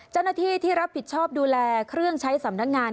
เจ้าหน้าที่ที่รับผิดชอบดูแลเครื่องใช้สำนักงาน